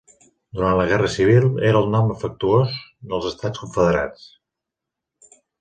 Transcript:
Durant la Guerra Civil, era el nom afectuós dels Estats Confederats.